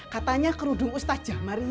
katanya kerudung ustaz jah mariam